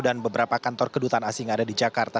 dan beberapa kantor kedutaan asing ada di jakarta